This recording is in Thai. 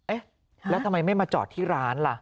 เอ๊ะแล้วทำไมไม่มาจอดที่ร้านล่ะ